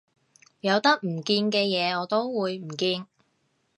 有得唔見嘅嘢我都會唔見